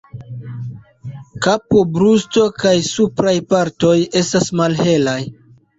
Kapo, brusto kaj supraj partoj estas malhelaj.